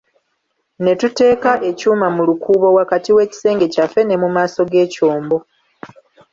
Ne tuteeka ekyuma mu lukuubo wakati w'ekisenge kyaffe ne mu maaso g'ekyombo.